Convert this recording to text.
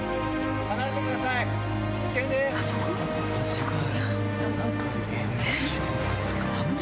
離れてください！